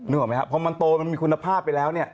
ออกไหมครับพอมันโตมันมีคุณภาพไปแล้วเนี่ย